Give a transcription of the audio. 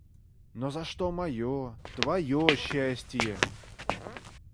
Но за что мое, твое счастие?..